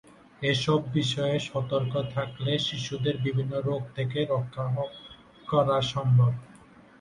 এসব বিষয়ে সতর্ক থাকলে শিশুদের বিভিন্ন রোগ থেকে রক্ষা করা সম্ভব হবে।